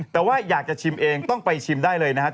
แต่ว่าอยากจะชิมเองต้องไปชิมได้เลยนะครับ